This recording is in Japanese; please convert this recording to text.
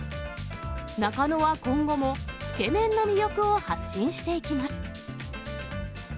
中野は今後も、つけ麺の魅力を発信していきます。